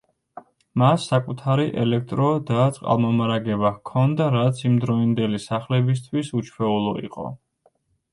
მას საკუთარი ელექტრო და წყალმომარაგება ჰქონდა, რაც იმდროინდელი სახლებისთვის უჩვეულო იყო.